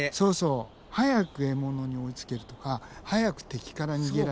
早く獲物に追いつけるとか早く敵から逃げられる。